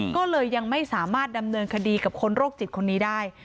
ก็เลยยังไม่สามารถดำเนินคดีกับคนโรคจิตคนนี้ได้